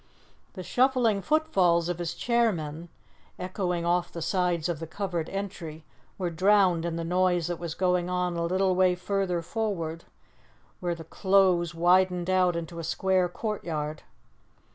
The shuffling footfalls of his chairmen, echoing off the sides of the covered entry, were drowned in the noise that was going on a little way farther forward, where the close widened out into a square courtyard.